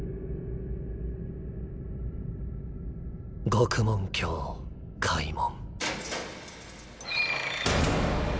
獄門疆開門。